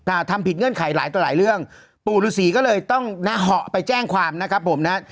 ทำผิดเงื่อนไขหลายต่อหลายเรื่องปู่ฤษีก็เลยต้องนะเหาะไปแจ้งความนะครับผมนะฮะ